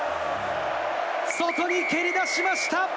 外に蹴り出しました。